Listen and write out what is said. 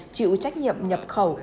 chịu trách nhiệm nhập khẩu